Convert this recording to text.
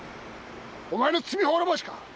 お前の罪滅ぼしか？